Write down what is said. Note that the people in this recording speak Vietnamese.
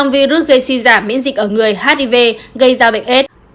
virus gây suy giảm miễn dịch ở người hiv gây ra bệnh aids